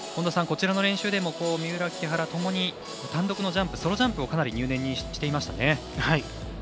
こちらの練習でも三浦、木原ともに単独のジャンプ、ソロジャンプをかなり入念にしていましたね。